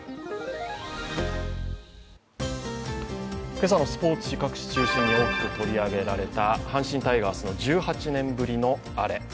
今朝のスポーツ紙各紙中心に大きく取り上げられた阪神タイガースの１８年ぶりのアレ。